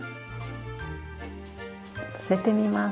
載せてみます。